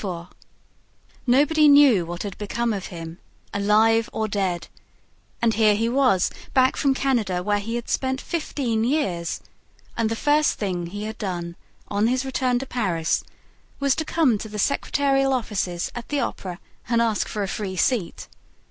Faure. Nobody knew what had become of him, alive or dead; and here he was back from Canada, where he had spent fifteen years, and the first thing he had done, on his return to Paris, was to come to the secretarial offices at the Opera and ask for a free seat.